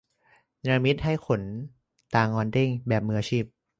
เนรมิตให้ขนตางอนเด้ง แบบมืออาชีพ